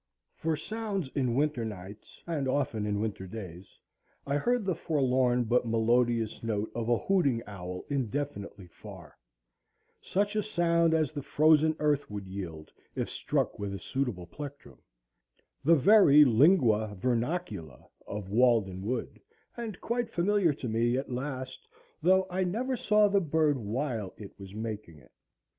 For sounds in winter nights, and often in winter days, I heard the forlorn but melodious note of a hooting owl indefinitely far; such a sound as the frozen earth would yield if struck with a suitable plectrum, the very lingua vernacula of Walden Wood, and quite familiar to me at last, though I never saw the bird while it was making it.